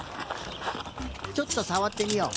ちょっとさわってみよう。